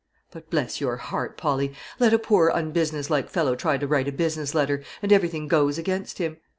But, bless your heart, Polly! let a poor unbusinesslike fellow try to write a business letter, and everything goes against him.